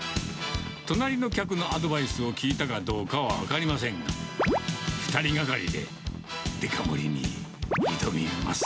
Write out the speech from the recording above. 隣の客のアドバイスを聞いたかどうかは分かりませんが、２人がかりでデカ盛りに挑みます。